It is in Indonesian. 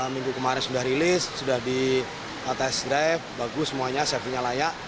minggu kemarin sudah rilis sudah dites drive bagus semuanya safety nya layak